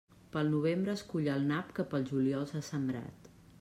Pel novembre es cull el nap que pel juliol s'ha sembrat.